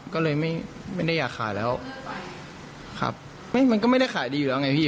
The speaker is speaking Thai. ก็เลยไม่ได้อยากขายแล้วครับไม่มันก็ไม่ได้ขายดีอยู่แล้วไงพี่